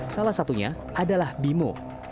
salah satunya adalah bimo